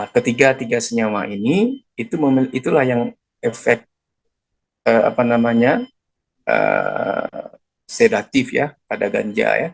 ketiga tiga senyawa ini itulah yang efek sedatif ya pada ganja